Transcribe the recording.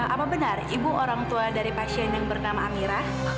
apa benar ibu orang tua dari pasien yang bernama amirah